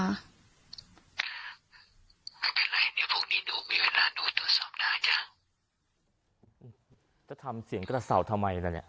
ไม่เป็นไรพรุ่งนี้หนูไม่เวลาที่ดูตัวสอบหน้าเถอะ